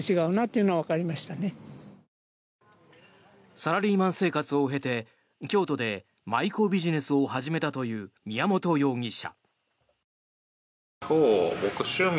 サラリーマン生活を経て京都で舞妓ビジネスを始めたという宮本容疑者。